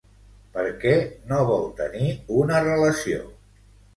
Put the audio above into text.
Per què no vol tenir una relació?